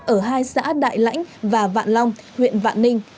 ở hai xã đại lãnh và vạn long huyện vạn ninh